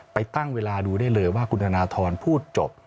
ไปตั้งเวลาดูได้เลยว่าคุณธนทรพูดจบ